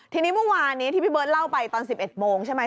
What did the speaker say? ทีนี้เมื่อวานนี้ที่พี่เบิร์ตเล่าไปตอน๑๑โมงใช่ไหม